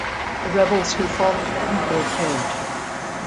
The rebels who followed them were killed.